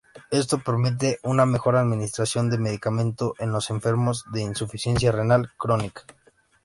Esto permite una mejor administración de medicamento en los enfermos de insuficiencia renal crónica.